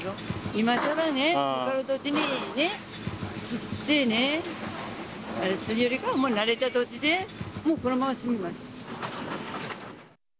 今さらね、ほかの土地にね、移ってね、あれするよりかはもう慣れた土地で、もうこのまま住みます。